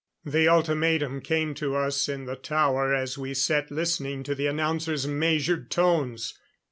The ultimatum came to us in the tower as we sat listening to the announcer's measured tones.